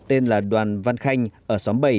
tên là đoàn văn khanh ở xóm bảy